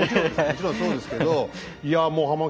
もちろんそうですけどいや